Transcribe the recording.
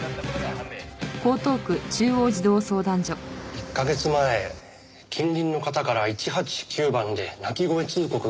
１カ月前近隣の方から１８９番で泣き声通告があったんですよ。